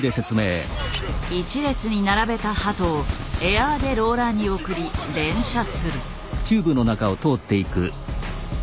１列に並べた鳩をエアーでローラーに送り連射する。